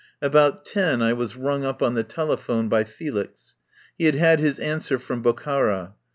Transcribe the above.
About ten I was rung up on the telephone by Felix. He had had his answer from Bokhara.